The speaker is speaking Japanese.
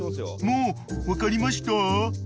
［もう分かりました？］